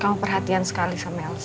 kamu perhatian sekali sama alex